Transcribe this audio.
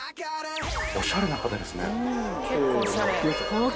おしゃれな方ですね！